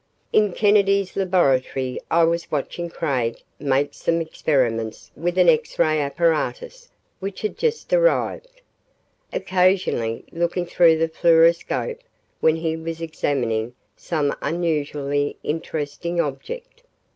........ In Kennedy's laboratory I was watching Craig make some experiments with a new X ray apparatus which had just arrived, occasionally looking through the fluoroscope when he was examining some unusually interesting object.